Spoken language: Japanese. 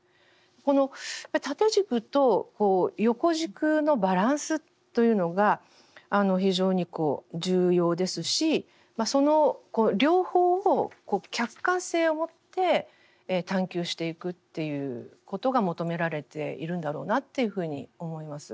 この縦軸と横軸のバランスというのが非常に重要ですしその両方を客観性を持って探究していくっていうことが求められているんだろうなというふうに思います。